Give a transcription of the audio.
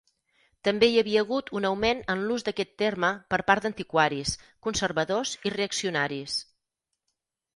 També hi havia hagut un augment en l'ús d'aquest terme per part d'antiquaris, conservadors i reaccionaris.